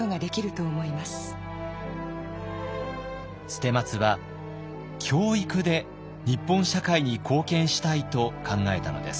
捨松は教育で日本社会に貢献したいと考えたのです。